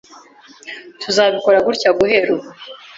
Tuzabikora gutya guhera ubu.